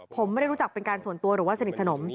ผมไม่ได้รู้จักเป็นการส่วนตัวหรือว่าสนิทสนม